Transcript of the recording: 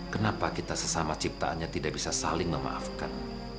kenapa kita sesama ciptaannya tidak bisa saling memaafkan